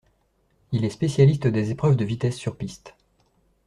Il est spécialiste des épreuves de vitesse sur piste.